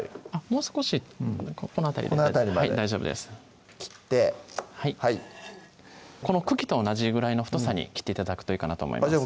もう少しこの辺りでこの辺りまで大丈夫です切ってはいこの茎と同じぐらいの太さに切って頂くといいかなと思います